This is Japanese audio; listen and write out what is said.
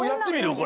これ？